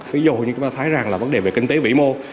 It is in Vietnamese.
ví dụ như chúng ta thấy rằng là vấn đề về kinh tế vĩ mô